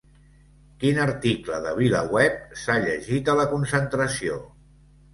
Quin article de VilaWeb s'ha llegit a la concentració?